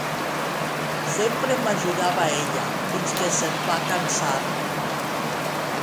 Sempre m'ajudava ella fins que se'n va cansar.